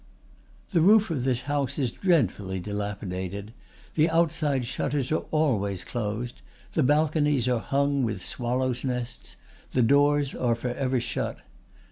"The roof of this house is dreadfully dilapidated; the outside shutters are always closed; the balconies are hung with swallows' nests; the doors are for ever shut.